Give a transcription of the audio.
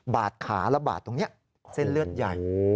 ขาระบาดตรงนี้เส้นเลือดใหญ่